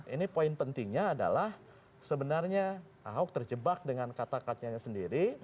ini poin pentingnya adalah sebenarnya ahok terjebak dengan kata katanya sendiri